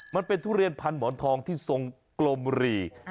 มันเป็นทุเรียนพันธุ์หมอนทองที่ทรงกลมหรี่